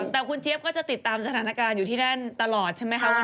แต่คุณเจี๊ยบก็จะติดตามสถานการณ์อยู่ที่นั่นตลอดใช่ไหมคะ